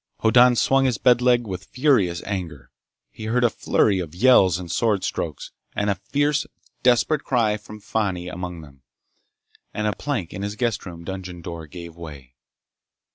Hoddan swung his bed leg with furious anger. He heard a flurry of yells and sword strokes, and a fierce, desperate cry from Fani among them, and a plank in his guest room dungeon door gave way.